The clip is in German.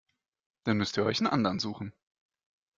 Dann müsst ihr euch einen anderen suchen.